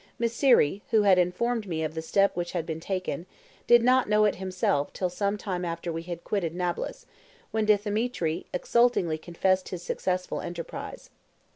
Mysseri, who had informed me of the step which had been taken, did not know it himself until some time after we had quitted Nablus, when Dthemetri exultingly confessed his successful enterprise.